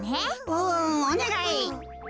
うんおねがい。